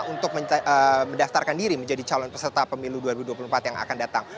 untuk mendaftarkan diri menjadi calon peserta pemilu dua ribu dua puluh empat yang akan datang